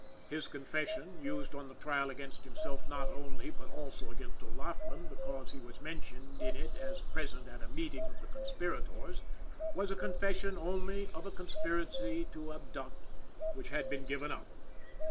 His confession, used on the trial against himself not only but also against O'Laughlin because he was mentioned in it as present at a meeting of the conspirators, was a confession only of a conspiracy to abduct which had been given up.